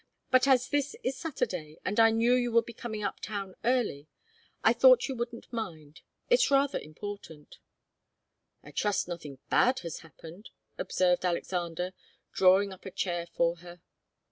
But as this is Saturday, and I knew you would be coming up town early, I thought you wouldn't mind. It's rather important." "I trust nothing bad has happened," observed Alexander, drawing up a chair for her.